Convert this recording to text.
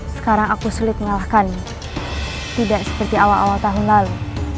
sekarang aku sulit mengalahkan tidak seperti awal awal tahun lalu